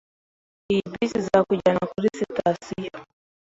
Iyi bisi izakujyana kuri sitasiyo.